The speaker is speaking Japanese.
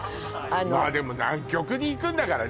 まあでも南極に行くんだからね